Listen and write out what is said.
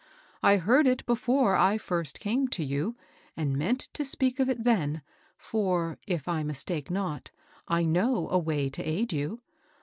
I heard it before I first came to you, and meant to speak of it then ; for, if I mistake not, I know a way to aid you.